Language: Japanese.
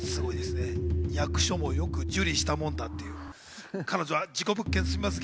役所もよく受理したもんだっていう彼女は事故物件住みます